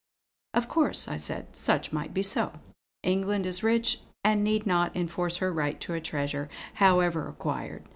"Of course" I said "such might be so. England is rich and need not enforce her right to a treasure, however acquired.